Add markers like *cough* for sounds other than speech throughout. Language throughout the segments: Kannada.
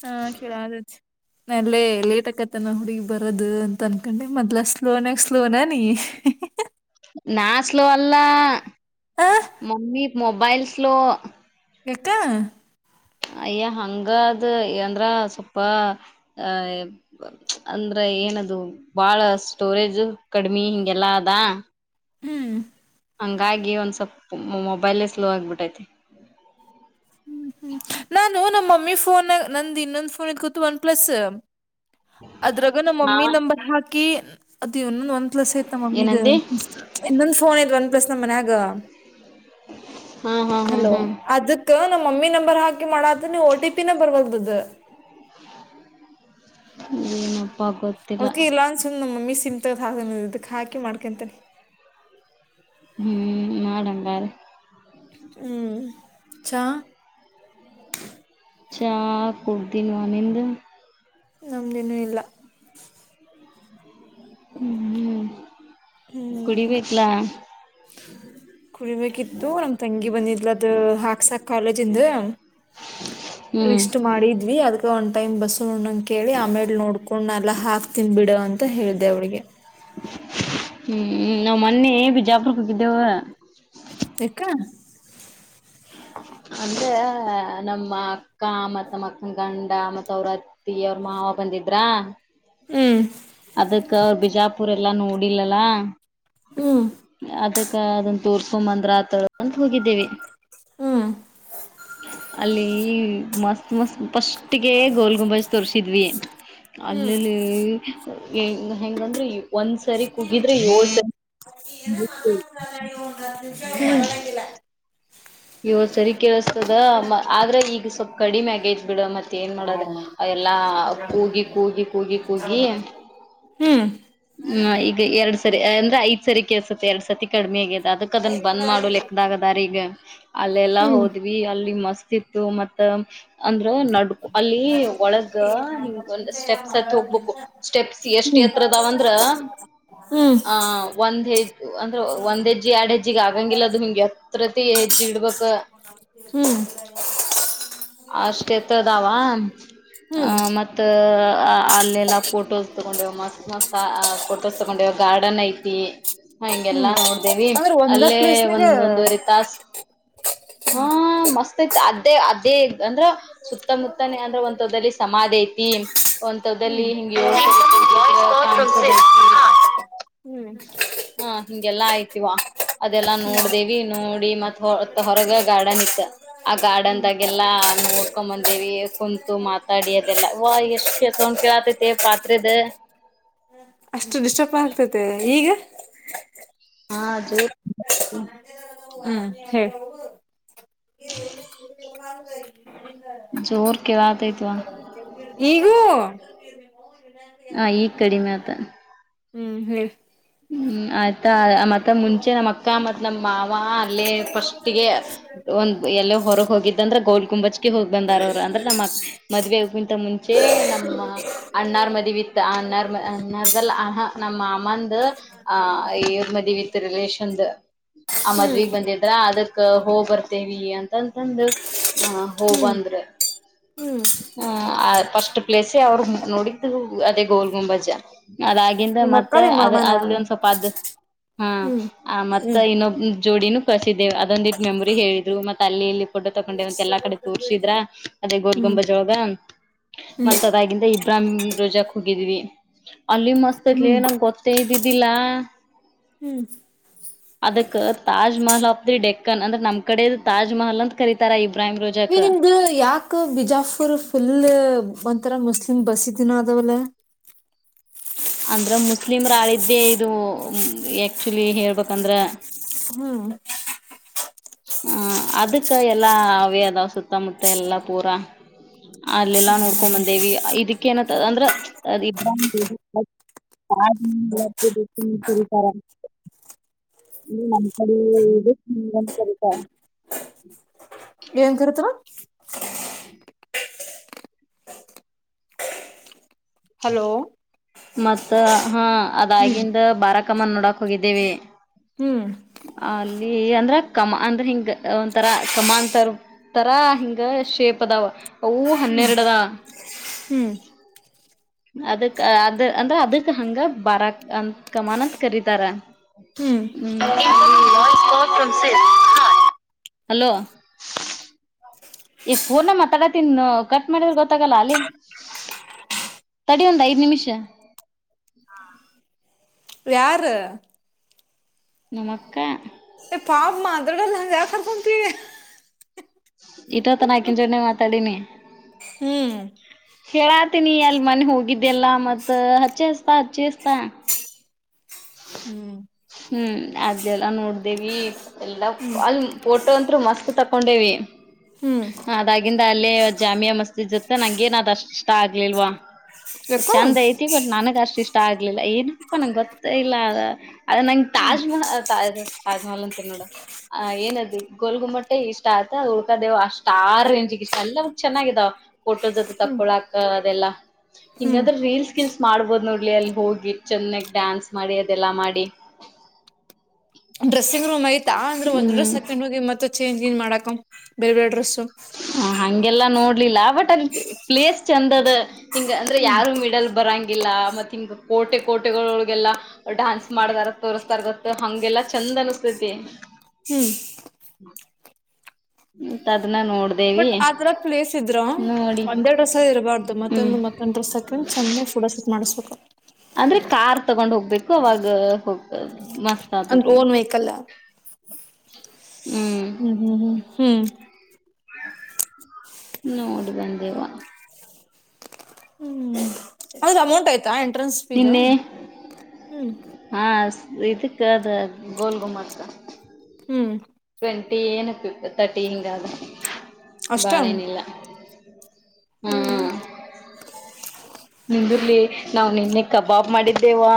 ಹಾ ಕೇಳ ನಲ್ಲೇ ಲೇತಕ್ಕ ತನ ಹುಡುಗಿ ಬರದು ಅಂತ ಅನ್ಕೊಂಡೆ ಮೊದ್ಲ ಸ್ಲೋನಯಾಗ ಸ್ಲೋನ ನೀ ನಾನ್ ಸ್ಲೋ ಅಲ್ಲ ಆ ಮಮ್ಮಿ ಮೊಬೈಲ್ಸ್ ಸ್ಲೋ ಯಕೆ ಅಯ್ಯ ಹಂಗಾದ ಂದ್ರ ಸ್ವಲ್ಪ ಅ ಅಂದ್ರೆ ಏನದು ಬಾಳ ಸ್ಟೋರೇಜ್ ಕಡಿಮಿ ಹಿಂಗೆಲ್ಲಾ ಅದ ಹ್ಮ್ ಹಂಗಾಗಿ ಒಂದ್ ಸ್ವಲ್ಪ ಮೊಬೈಲ್ೇ ಸ್ಲೋ ಆಗ್ಬಿಟ್ಟೈತಿ ಹ್ಮ್ ಹ್ಮ್ ನಾನು ನಮ್ಮ ಮಮ್ಮಿ ಫೋನ್ ನಂದ್ ಇನ್ನೊಂದ್ ಫೋನ್ ಇದ ಕೂು ಒನ್ ಪ್ಲಸ್ ಅದ್ರಾಗ ನಮ್ಮ ಮಮ್ಮಿ ನಂಬರ್ ಹಾಕಿ ಇನ್ನೊಂದು ಒನ್ ಪ್ಲಸ್ ಐತ ಮಮ್ಮೀ ಇದ ಇನ್ನೊಂದ್ ಫೋನ್ ಐ್ತ್ ಒನ್ ಪ್ಲಸ್ ನಮ್ಮ ಮನ್ಯಾಗ *inaudible* ಹಲೋ ಅದಕ್ ನಮ್ಮ್ ಮಮ್ಮಿ ನಂಬರ್ ಹಾಕಿ ಮಾಡದೆ ನೀವು ಒ ಟಿ ಪಿ ನಂಬರ್ ಒಲ್ದದ ನು ಕೆ ಇಲ್ಲಾ ಅನ್ಸು ಮಮ್ಮೀ ಚಿಂತದ ಹ ಇದಕ್ ಹಾಕಿ ಮಾಡ್ಕೊಂತನ ಹ್ಮ್ ಮಾಡಂಗೆ ಹ್ಮ ಚ ಚಾ ಕುಡಿದಿವ ನಿಂದು ನಮ್ದೇನೂ ಇಲ್ಲ ಹ್ಮ ಹ್ಮ ಹ್ಮ್ ಕುಡಿಬೇಕ್ಲ *inaudible* ಕುಡಿಬೇಕಿತ್ತು ನಮ ತಂಗಿ ಬಂದಿದ್ಲದ್ ಹಾಕ್ಸಾಕ್ ಕಾಲೇಜ ಇಿಂದ ಲಿಷ್ಟ್ ಮಾಡಿದ್ವಿ ಅದ್ಕ ಉಂಟ ಕೇಳಿ ಆಮೇಲೆ ನೋಡ್ಕೊಂಡ್ ಎಲ್ಲಾ ಹಾಕ್ತನ್ಿ ಬಿಡ ಅಂತ ಹೇಳ್ದೆ ಅವಿಗೆ ಹ್ಮ್ ನಾವ್ ಮೊನ್ನೆ ಬಿಜಾಪುರಕ್ಕೆ ಹೋಗಿದ್ದೇವು ಕ ಅಂದ್ರೆ ನಮ್ಮ ಅಕ್ಕ ಮತ್ಮ್ಮ ಅಕ್ಕನ ಗಂಡ ಮತ್ ಅವ್ರ ಅತ್ತಿ ಅವವ್ರ ಮಾವ ಬಂದಿದ್ರಾ ಹ್ಮ್ ಅದಕ್ಕ ಅವರು ಬಿಜಾಪುರ್ ಎಲ್ಲಾ ನೋಡಿಲ್ಲಲ್ಲ ಹ್ಮ್ ಅದಕ್ಕ ಅದ ತೂರ್ಕೊಂಬಂದ್ರ ಆ ತಳ್ಂತ ಹೋಗಿದ್ದೇವಿ ಹ್ಮ್ ಅಲ್ಲಿ ಮಸ್ತ್ ಮಸ್ತ್ ಫಸ್ಟಿಗೆ ಗೋಲ್ ಗುಂಬಾಜ್ ತೋರಿಸಿದ್ವಿ ಹ್ಮ್ ಅಲ್ಲಲ್ಲಿ ಹೆ ಹೆಂಗಗೆಂದ್ರೆ ಒಂದ್ ಸರಿ ಕಗಿದ್ರೆ ಏಳ್ ಂಗಿಲ್ಲ ಇವ ಸರಿ ಕೇಳಿಸತದ ಆದ್ರೆ ಈಗ ಸ್ವಲ್ಪ್ ಕಡಿಮೆ ಆಗೈತ್್ ಬಿಡ ಮತ್ತೆ ಮತ್ತೆ ಏನ್ ಮಾಡೋದೆ ಎಲ್ಲಾ ಕೂಗಿ ಕೂಗಿ ಕೂಗಿ ಕೂಗಿ ಹ್ಮ್ ಹ್ಮ ಈಗ ಎರಡ್ ಸರಿ ಅಂದ್ರೆ ಐದ ಸರಿ ಕಸುತ್ತ ಎರಡು ಸರ್ತಿ ಕಡಿಮೆ ಆಗಿದೆ ಅದಕ್ಕೆ ಅದನ್ನ ಬಂದ್ ಮಾಡು ಲೆಕ್ಕದಾಗದಾರ ಈಗ ಹ್ಮ್ ಅಲ್ಲೆಲ್ಲಾ ಹ್ಮ್ ಹೋದ್ವಿ ಅಲ್ಲಿ ಮಸ್ತ್ ಇತ್ತು ಮತ್ತ ಅಂದ ನಡ್ಕು ಅಲ್ಲಿ ಒಳಗ ಹಿಂಗ ಒಂದು ಸ್ಟೆಪ್ಸ್ ಹತ್ತ ಹೋಗ್ಬೇಕು ಸ್ಟೆಪ್ಸ್ ಎಷ್ಟ್ ಹತ್ರ ಾವಂದ್ರ ಹ್ಮ್ ಆ ಒಂದ್ಐದು ಅಂದ್ರೆ ಒಂದ್ ಹೆಜ್ಜ ಎರಡ್ ಹೆಜ್ಜಿಿಗೆ ಆಗಂಗಿಲ್ಲ ಅದು ಹಿಂಗೆ ಹತ್ರತಿ ಹೆ ಹ್ಮ್ ಅ ಅಷ್ಟ ಎತದಾವ ಹ್ಮ್ ಅಹ ಮತ್ತ ಅಲ್ಲೆಲ್ಲಾ ಫೋಟೋಸ್ ತಗೊಂಡೆವ ಮಸ್ ಮಸ್ ಫೋಟೋಸ್ ತಗೊಂಡ ಗಾರ್ಡನ್ ಐತಿ ಹ್ಮ್ ಹಿಂಗೆಲ್ಲಾ ನೋಡ್ದೇವಿ ಅಂದ್ರೆ ಒಂದ ಅಲ್ಲೇ ಪ್ಲೇಸ್ನಾಗ ಒಂದ ಒಂದುವರೆ ತಾಾಸ ಹಾ ಮಸ್ತತ್ ಅದೇ ಅದೇ ಅಂದ್ರ ಸುತ್ತಮುತ್ತನೇ ಅಂದ್ರ ಒಂತದಲ್ಲಿ ಸಮಾಧಿ ಐತಿ ಒಂತದಲ್ಲಿ ಹ್ಮ್ ಹಿಂಗ ಹ್ಮ್ ಹಾ ಹಿಂಗೆಲ್ಲಾ ಆಯ್ತಿವಾ ಅದೆಲ್ಲಾ ನೋಡ್ದೇವಿ ನೋಡಿ ಮತ್ತ್ ಹೊ ಹೊರಗ ಗಾರ್ಡನ್ ಇತ್ತ ಆ ಗಾರ್ಡನ್ದಾಗೆಲ್ಲಾ ನೋಡ್ಕೊ ಬಂದೇವಿ ಕುಂತು ಮಾತಾಡಿ ಅದೆಲ್ಲಾ ವ ಎಷ್ಟ್ ಕೆಸವೊಂಡ್ ಕೇಳತತಿ ಪಾತ್ರದ ಅಷ್ಟು ಡಿಸ್ಟರ್ಬ್ ಆಗ್ತತೆ ಈಗ ಹಾ ಜ ಹ್ಮ ಹೇಳೇ ಹ ೇ ಜೋರ್ ಕವತಐ್ತವಾ ಈಗೂ ಹ್ಮ್ ಹೇಳ್ಮ ಆಯ್ತಾ ಮತ್ತ ಮುಂಚೆ ನಮ್ಮ್ ಅಕ್ಕ ಮತ್ ನಮ್ಮ ಮಾವ ಅಲ್ಲೇ ಫಸ್ಟ್ಗೆ ಒ ಎಲ್ಲೋ ಹೊರಗೆ ಹೋಗಿದ್ದಂದ್ರೆ ಗೋಲ್ ಕುಂಬಚ್ಕ ಹೋಗ್ ಬಂದಾರ ಅವರು ಅಂದ್ರೆ ನಮ್ಮ ಮದ್ವೆಗಿಂತ ಮುಂಚೆ ನಮ್ಮ ಅನ್ನಾರ್ ಮದವಿತ್ತು ಅನ್ನಾರ್ ಅನ್ನಾರಲ್ಲ ನಮ್ಮ ಅಮ್ಮ ಹ ಈ ಉಮ್ಮ ದ ವಿತ್ರಿಲಷಂದು ಆ ಹ್ಮ್ ಮದ್ವಿಗ್ ಬಂದಿದ್ರ ಅದಕ್ ಹೋ್ ಬರ್ತೇವಿ ಅಂತಂತಂದ ಹ ಹೋ ಹ್ಮ್ ಬಂದ್ರೆ ಹ್ಮ್ ಹ ಫಸ್ಟ್ ಪ್ಲೇಸ ಅವ್ರ ನೋಡಿದ್ದು ಅದೇ ಗೋಲ್ ಗುಂಬಜ ಅದಾಗಿಂದ ನಿಮ್ಮ ಮತ್ತ ಅಕ್ಕರೆ ಅದ ಮಾಮನ ಅಲ್ಲಿ ಒಂದ ಸ್ವಲ್ಪ ಅದು ಹ್ಮ್ ಹಾ ಮತ್ತ ಹ್ಮ್ ಇನ್ನೊಬ್ ಜೋಡಿನೂ ಕಸಿದ್ದೇವೆ ಅದೊಂದ ಇ ಮೆಮೊರಿ ಹೇಳಿದ್ರು ಮತ್ತೆ ಅಲ್ಲಿಲ್ಲಿ ಫಡ್ ತಗೊಂಡ ಎಲ್ಲ ಕಡೆ ತೋರ್ಸಿದ್ರ ಅದೇ ಗ ಹ್ಮ್ ಗಂಬ ಜಳದ ಹ್ಮ್ ಮತ್ತತ್ ಅದಾಗಿಂದ ಇಬ್ರಾಹಿಂ ರೋಜಾಕ್ ಹೋಗಿದ್ವಿ ಅಲ್ಲಿ ಮಸ್ತ್ ತ್ಲಿ ಹ್ಮ್ ನಮ್ಗೆ ಗೊತ್ತೇ ಇದ್ದಿದ್ದಿಲ್ಲಾ ಹ್ಮ್ ಅದಕ್ಕ Taj Mahal of the Deccan ಅಂದ್ರೆ ನಮ್ ಕಡೆ ತಾಜ್ಮಹಲ್ ಅಂತ ಕರೀತಾರೆ ಇಬ್ರಾಹಿಂ ಈ ರಾಜಕ್ ನಿಮ್ದು ಯಾಕ ಬಿಜಾಪುರ್ ಪುಲ್ಲು ಒಂಥರ ಮುಸ್ಲಿಂ ಬಸಿದಿ ಅದವಲ್ಲ ಅಂದ್ರೆ ಮುಸ್ಲಿಮರ ಆಳಿದ್ದೆ ಇದು ಆಕ್ಚುಲಿ ಹೇಳ್ಬೇಕಂದ್ರೆ ಹ್ಮ್ ಹ್ಮ ಅದಕ್ಕ ಎಲ್ಲಾ ಅವೇ ಅದಾವ ಸುತ್ತಮುತ್ತ ಎಲ್ಲಾ ಪೂರಾ ಅಲ್ಲೆಲ್ಲಾ ನೋಡ್ಕೊಂಡ್ ಬಂದೇವಿ ಇದಕ್ಕ ಏನತ್ತದ ಅಂದ್ರೆ ಅದ್ ಇಬ್ರಾಹ್ಮ್ *unintelligible* ಹ್ಮ್ ನಮ್ಮ ಕಡಿ ಇದಕ್ ಹಿಂಗ್ ಅಂತ ಕರೀತ್ತಾರೆ ಏನ್ ಕರಿತ್ತಾರ *unintelligible* ಹಲೋ ತ್ತ ಹಾ ಹ್ಮ್ ಅದಾಗಿಂದ ಬಾರಕಮ್ಮನ್ ನೋಡಕ್ ಹೋಗಿದ್ದೀವಿ ಹ್ಮ್ ಇ ಅಂದ್ರ ಕಮ್ ಅಂದ್ರ ಹಿಂಗ ಒಂಥರ ಕಮಾನ್ ತ ತರ ಹಿಂಗ ಶೇಪ್ ಅದಾವ ಅವು ಹನ್ನೆರಡದಾ ಹ್ಮ್ ಅದಕ್ ಅದ ಅಂದ್ರೆ ಅದಕ್ ಹಂಗ ಬಾರ ಕಮಾನ್ ಅಂತ ಕರೀತಾರ ಹ್ಮ್ ಸ *unintelligible* ಹಲೋ ಏ ಪೋನ್ ಮಾತಡತ್ತೀನಿ ಕಟ್ ಮಾಡಿದ್ರೆ ಗೊತ್ತಾಗಲ್ಲ ಅಲ್ಲೆ ತಡಿ ಒಂದ್ ಐದ್ ನಿಮಿಷ ಯಾರು ನಮಕ್ಕ ಪಾಮ್ಮ ಅದ್ರಗಲ್ಲೆಂದು ಯಾಕ ಕರ್ಕೊಂತಿ ಇಟೊತು ಆಕಿನ್ ಜೊನೆ ಮಾತಾಡಿನಿ ಹ್ಮ್ ಹೇಳಾತೀನಿ ಎಲ್ ಮನೆ ಹೋಗಿದ್ದೆಲ್ಲಾ ಮತ್ ಹಚ್ಚೆಸ್ತಾ ಹಚ್ಚೆಸ್ತಾ ಹ್ಮ್ *unintelligible* ಹ್ಮ್ ಅದೆಲ್ಲಾ ನೋಡ್ದೇವಿ ಎಲ್ಲಾ ಅಲ್ ಪೋಟೋ ಅಂತ್ರೂ ಮಸ್ತ್ ತಕೊಂಡೇವಿ *unintelligible* ಅದಾಗಿಂದ ಅಲ್ಲೇ ಜಾಮಿಯಾ ಮಸ್ಜಿದ್ ಜೊತೆ ನಂಗೇನ್ ಅದು ಅಷ್ಟ್ ಇಷ್ಟ ಆಗ್ಲಿಲ್ವಾ ಯಾಕೋ ಚಂದ ಐತಿ ಬಟ್ ನನಗ ಅಷ್ಟ ಇಷ್ಟ ಆಗ್ಲಿಲ್ಲ ಏನಪ್ಪ ನಂಗೊತ್ತ ಇಲ್ಲ ಅದ ನಂಗ್ ತಾಜ್ ಮಹಲ್ ತಾಜ್ ಮಹಲ್ ಅಂತೀನ್ ನೋಡ ಆ ಏನದು ಗೋಲ್ ಗುಮ್ಮಟ್ಟೆ ಇಷ್ಟ ಆಯತ ಉಳ್ಕದೇವು ಆಸ್ಟ್ ಆ ರೇಂಜ್ಗ್ ಇಷ್ಟ ಇಲ್ಲ ಚೆನ್ನಾಗಿದಾವ. ಪೋಟೋಸ್ ಹತ್ರ ತಕೊಳಾಕ ಅದೆಲ್ಲಾ ಹ್ಮ್ ಹಿಂಗಾದ್ರೆ ರೀಲ್ಸ್ ಗಿಲ್ಸ್ ಮಾಡ್ಬೋದು ನೋಡ್ಲಿ ಅಲ್ಲಿ ಹೋಗಿ. ಚೆನ್ನಾಗಿ ಡಾನ್ಸ್ ಮಾಡಿ ಅದೆಲ್ಲ ಮಾಡಿ ಡ್ರೆಸಿಂಗ್ ರೂಮ್ ಐತ ಅಂದ್ರೆ ಒಂದ್ ಡ್ರಸ್ ಹಾಕೆಂಡು ಹೋಗಿ ಮತ್ತೆ ಚೇಂಜ್ ಗಿಂಜ್ ಮಾಡಕ ಬೇರೆ ಬೇರೆ ಡ್ರೆಸ್ಸು ಎಲ್ಲ ನೋಡ್ಲಿಲ್ಲ ಬಟ್ ಅದ್ ಪ್ಲೇಸ್ ಚಂದ ಅದಾ ಹಿಂಗ ಅಂದ್ರೆ ಯಾರು ಮಿಡಲ್ ಬರಂಗಿಲ್ಲ ಮತ್ ಕಿಂಗ್ ಕೋಟೆ ಕೋಟೆಗಳೊಗೆಲ್ಲ ಡಾನ್ಸ್ ಮಾಡಾರ ತೋರಿಸತಾರ ಗೊತ್ತಾ ಹಂಗೆಲ್ಲಾ ಚಂದ ಅನಿಸ್ತೈತಿ ತ್ತೆ ಹ್ಮ್ ಮತ್ ಅದನ್ನ ನೋಡ ಬಟ್ ಆ ತರ ಪ್ಲೇಸ್ ಇದ್ರ ಒಂದೇ ಡ್ರೆಸ್ಸ್ ಇರಬಾರದು ಮತ್ತೊಂದು ಮತ್ತೊಂದ್ ಡ್ರೆಸ್ಸ್ ಹಾಕೊಂಡ್ ಚೆನ್ನಾಗ ಪೋ ಟೋ ಮಾಡ್ಸಬೇಕು ಅಂದ್ರೆ ಕಾರ್ ತಗೊಂಡ್ ಹೋಗ್ಬೇಕು ಅವಾಗ ಹೋಗ್ತಾ ಅದು ಓನ್ ವೆಹಿಕಲ್ಲ ಹ್ಮ್ ಹ್ಮ್ ಹ್ಮ್ ಹ್ಮ್ ನೋಡಿ ಬಂದೇವ ಹ್ಮ್ ಅಂದ್ರೆ ಅಮೌಂಟ್ ಆಯ್ತಾ ಎಂಟ್ರೆನ್ಸ್ ಫೀಸ್ ಹ್ಮ್ ಇದಕ್ಕೆ ಅದ ಗೋಲ್ ಗುಮತ್ತ ಹ್ಮ್ ಟ್ಂಟಿ ಏನಪ್ಪ ತರ್ಟಿ ಹಿಂಗಾದ ಅಷ್ಟ ಬಾಳನಿಲ್ಲ ಹಾ ಹ್ಮ್ ನಿಂದುರ್ಲಿ ನಾವ್ ನಿನ್ನೆ ಕಬಾಬ್ ಮಾಡಿದ್ದೇವಾ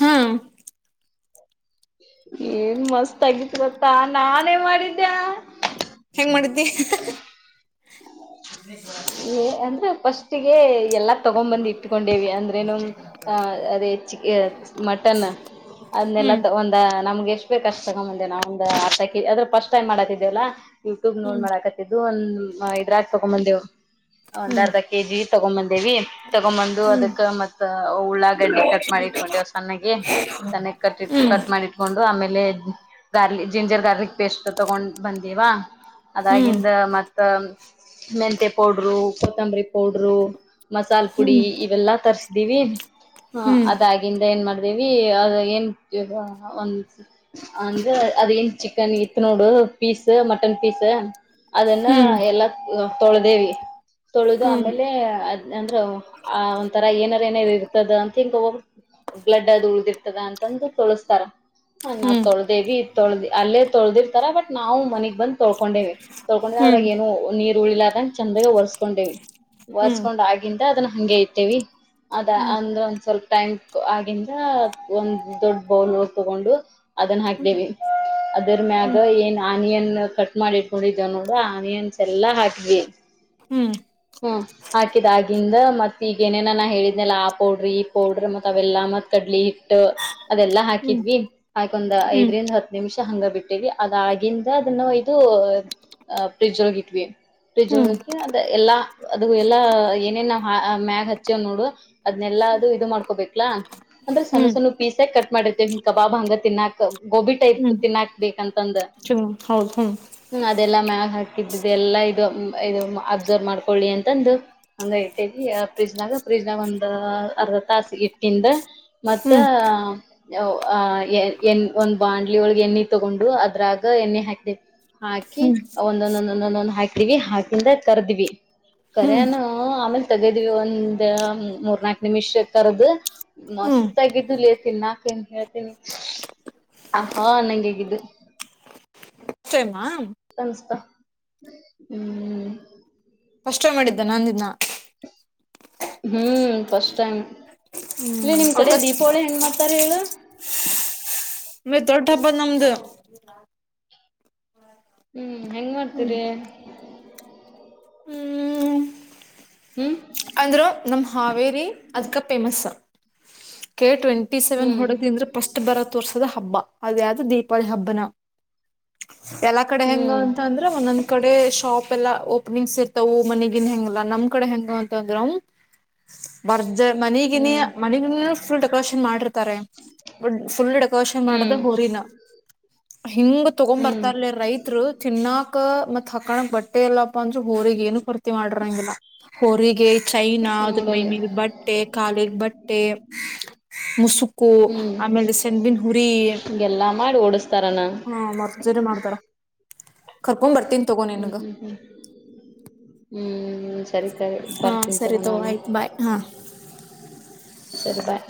ಹಾ ಏನ್ ಮಸ್ತ್ ಆಗತ್ರ ತಾ ನಾನೇನ್ ಮಾಡಿದ್ದ್ಯಾ ಕ *unintelligible* ಗೆೆ *unintelligible* ಎಲ್ಲ ತಗೊಂಡ್ ಬಂದು್ ಇಟ್ಕೊಂಡೇವಿ ಅಂದ್ರೇನು ಅದೇ ಚಿಕ ಮಟನ್ ಅದನ್ನೆಲ್ಲ ಹ್ಮ್ ಒಂದ ನಮ್ಗೆ ಎಷ್ಟ ಕಷ್ಟ ಆಗ ಮುಂದೆ ನಾ ಆಕಿ ಅ್ರ ಸ್ಟ್ ಟೈ ಮಾಡತಿದ್ದೆಲ್ಲ ಯೂಟ್ಯೂ ನೋಡ್ ಹ್ಮ್ ಮಾಡಾಕತ್ತಿದ್ದು ಒಂದ ಇದ್ರ ತೊಗೊಂಬಂದೇವು ಒಂದ್ ಹ್ಮ್ ಅರ್ಧ ಕೆಜಿ ತಗೊಬಂದ್ವು ವಿ ತಗೊ್ ಬಂದು ಹ್ಮ್ ಅದಕ್ ಮತ್ ಉಳ್ಳಾಗಡ್ಡಿ ಕಟ್ ಮಾಡಿ ಇಟ್ಕೊಂಡೇವ ಸಣನ್ನ್ಣಾಗಿ ಚನ್ನಾಗ ಕಟ್ಟಿ ಕಟ್ ಮಾಡಿಟ್ಕೊಂಡು ಆಮೇಲೆ ಗಾರ್ಲಿಕ್ ಜಿಂಜರ್ ಗಾರ್ಲಿಕ್ ಪೇಸ್ಟ್ ತಗೊಂಡ್ ಬಂದೀವಾ ಹ್ಮ್ ಅದಾಗಿಂದ ಮತ್ತ ಮೆಂತೆ ಪೌಡ್ರು ಕೊತ್ತಂಬರಿ ಪೌಡರು ಮಸಾಲ ಪುಡಿ ಹ್ಮ್ ಇವೆಲ್ಲಾ ತರಿಸ ಹ ಹ್ಮ್ ಅದಾಗಿಂದ ಏನ್ ಮಾಡ ಅದ ಏನ್ ಒ ಅಂದ್ರೆ ಅದ ನ್ ಚಿಕನ್ ಇತ್ತು ನೋಡು ಪೀಸ್ ಮಟನ್ ಪೀಸ್ ಅದನ್ನ ಹ್ಮ್ ಎಲ್ಲಾ ತೋಳದೇವಿ ತೊಳೆದು ಹ್ಮ್ ಆಮೇಲೆ ಅಂದ್ರ ಆ ಒಂಥರ ಏನ ಏನೇ ಇರ್ತದ ಅಂತ ಹಿಂಗ ಹೋಗ ಬ್ಲಡ್ ಅದು ಉಳ್ದಿರ್ತದ ಅಂತಂದು ತೋಳಸ್ತಾರ ಹ ನಾವ ಹ್ಮ್ ತೊಳ್ದೇವಿ ತೊಳ್ದಿ ಅಲ್ಲೇ ತೊಳ್ದಿರ್ತಾರ ಬಟ್ ನಾವು ಮನಗ್ ಬಂದ ತೊಳ್ಕೊಂಡೇವಿ ಡ ಅದ್ರಾಗ ಹ್ಮ್ ಏನು ನೀರು ಉಳಿಲ್ಲ ಅದ ಚಂದಾಗ ಒರ್ಸ್ಕೊಂಡಿವವಿ ಹ್ಮ್ ಒರ್ಸ್ಕೊಂಡ್ ಆಗಿಂತ ಅದನ್ನ ಹಗೆ ಇತೇವಿ ಅದ ಹ್ಮ್ ಅಂದ್ರೆ ಒಂದ್ ಸ್ವಲ್ಪ ಟೈಮ್ ಆಗಂದ ಒಂದ್ ದೊಡ್ ಬೌಲ್ ತಗೊಂಡು ಅದನ್ನ ಹಾಕಿದೇವಿ ಅದರ ಮ್ಯಾಗ ಹ್ಮ್ ಏನ್ ಆನಿಯನ್ ಕಟ್ ಮಾಡಿ ಇಟ್ಕೊಂಡಿದ್ದವನು ಆನನ್ಸ್ ಎಲ್ಲ ಹಾಕ್ವಿ ಹ್ಮ್ ಹ ಹಾಕಿದಾಗಿಂದ ಮತ್ ಈಗ ಏನೇನ ನಾ ಹೇಳಿದ್ನೆಲ್ಲ ಆ ಪೌಡ್ರಿ ಈ ಪೌಡ್ರಿ ಮತ್ ಅವೆಲ್ಲ ಮತ್ ಕಡ್ಲಿ ಅದೆಲ್ಲಾ ಹ್ಮ್ ಹಾಕಿದ್ವಿ ಹಾಕೊಂದ್ ಹ್ಮ್ ಐದರಿಂದ ಹತ್ತು ನಿಮಿಷ ಹಂಗ ಬಿಟ್ಟೇವಿ ಅದಾಗಿಂದ ಅದನ್ನು ಇದು ಫ್ರಿಜ್ಗ ಇಟ್ವಿ ಹ್ಮ್ ಫ್ರಿಜ್ಕಿ ಅದ ಎಲ್ಲಾ ಅದು ಎಲ್ಲಾ ಏನೇನ್ವ ಮ್ಯಾಗ ಹಚ್ಚಿ ನೋಡು ಅದ್ನೆಲ್ಲಾ ಅದು ಇದು ಮಾಡ್ಕೋಬೇಕಲಾ ಅಂದ್ರೆ ಸಣ್ಣ ಹ್ಮ್ ಸಣ್ಣ ಪೀಸಕ್ ಕಟ್ ಮಾಡಿರ್ತೇವಿ ಕಬಾಬ್ ಹಂಗ ತಿನ್ನಾಕ್ ಗೋಬಿ ಟ ಇಪ್ ಹ್ಮ್ ತಿನ್ನಾಕ್ಬೇಕಂತಂದ ಚಲ ಹೌದು ಹ್ಮ್ ಹ್ಮ ಅದ ಮ್ಯಾಗ ಹಾಕ ಎಲ್ಲ ಇದು ಇ ಅಬ್ಸರ್ವ್ ಮಾಡ್ಕೊಳ್ಳಿ ಅಂತಂದು ಹ ಫ್ರಿಜ್ ನಾಗ ಒಂದ್ ಅರ್ಧ ತಾಸ ಇಟ್ಕಂಡ ಮತ್ತ ಅ ಎಣ ಒಂದ್ ಬಾಂಡ್ಲಿ ಒಳಗೆ ಎಣ್ಣೆ ತಗೊಂಡು ಅದ್ರಾಗ ಎಣ್ಣೆ ಹಾಕಿದೆವಿ ಹ್ಮ್ ಹಾಕಿ ಹ್ಮ್ ಒಂದೊಂದೊಂದಂದೊಂದೊ ಹಾಕ್ತೀವಿ ಹಾಕಿಂದ ಕರ್ದ್ವಿ ಹ್ಮ್ ಕರಾನ ಆಮೇಲ್ ತಗದ್ವಿ ಒಂದ್ ಮೂರ್ನಾಾಕ್ ನಿಮಿಷ ಕರದ ಮ ಮಸ್ ಹ್ಮ್ ಆಗಿದ್ದುಲಿಯತನಿ ನಾಕ ನ್ ಹೇಳ್ತೀನಿ ಆಹಾ ನಂಗಗದು ಷ್ಟೇಮ್ಮ ಸಮಸ್ತ ಹ್ಮ ಕಷ್ಟ ಮಾಡಿದ್ದೆ ನಂದಿನ ಹ್ಮ್ ಫಸ್ಟ್ ಟೈಮ್ ಇಲ್ಲ ಹ್ಮ್ ನಿಮ್ ಕಡೆ ದೀಪಾವಳಿ ಹೆಏನ್ ಮಾಡ್ತಾರ ಹೇಳ ಮ ತಠಾಪ ನಮ್ದ ಹ್ಮ್ ಹೆಂಗ ಹ್ಮ್ ಮಾಡ್ತೀರಿ ಹ್ಮ್ ಹ್ಮ್ ಅಂದ್ರ ನಮ್ಮ ಹಾವೇರಿ ಅದ್ಕ ಪಫೇಮಸ್ ಕೆ ಟ್ವೆಂಟ ಸೆವೆನ್ ಹೊಡೋದಿಂದ್ರೆ ಫಸ್ಟ್ ಬರ ತೋರ್ಸೋದ ಹಬ್ಬ ಅದ್ದ ದೀಪಾವಿ ಹಬ್ಬನ ಎಲ್ಲಾ ಕಡೆ ಹೆಂಗ ಅಂತ ಅಂದ್ರೆ ಒಂದೊಂದ್ ಕಡೆ ಶಾಪ್ ಓಪನಿಂಗ್ಸ್ ಇರ್ತವು ಮನೆಗಿನ್ ಹೆಂಗಲ್ಲ ನಮ್ ಕಡೆ ಹೆಂಗ ಅಂತಂದ್ರವು ಬರ್ ಮನಗಿನೇ ಮನಗಿನ ಫುಲ್ ಡೆಕೋರೇಷನ್ ಮಾಡಿರ್ತಾರೆ ಫುಲ್ ಡೆಕೋರೇಷನ್ ಮಾಡದ ಹಊರಿನ ಹಿಂಗ ತಗೊ್ ಬರ್ತ ಇಲಿ ರೈತ್ರು ಚಿನ್ನಕ್ ಮತ್ತ್ ಹಾಕಳಕ್ ಬಟ್ಟೆ ಎಲ್ಲ ಪ್ಪ ಅಂದ್ರೆ ಊರಿಗೆ ಏನು ಪರ್ತಿ ಮಾಡರಂಗಿಲ್ಲ ಹೊೋರಿಗೆ ಚೈನಾ ಅದಕ್ ಮೈ ಮೇಲ್ ಬಟ್ಟೆ ಕಖಾಲಗ್ ಬಟ್ಟೆ ಮುಸುಕು ಆಮೇಲೆ ಸೆಣ್ಣಬನ್ ಹುರಿ ಎಲ್ಲ ಮಾಡ ಹಾ ಮರ್ಜರಿ ಮಾಡ್ತಾರ ಕರ್ಕೊಂಡ್ ಬರ್ತೀನ್ ತಗೋ ಹ್ಮ್ ನಿನ್ಗ ಹ್ಮ್ ಹ್ಮ್ ಹ್ಮ್ ಸರಿ ಸರಿ ಹಾ ಬರ್ಕ ತಗ ಸರಿ ತಗೋ ನಾನು ಆಯ್ತ್ ಬಾಯ್ ಹಾ. *inaudible* ಸರಿ ಬಾಯ್